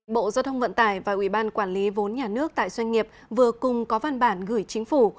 bộ giao thông vận tải và ủy ban quản lý vốn nhà nước tại doanh nghiệp vừa cùng có văn bản gửi chính phủ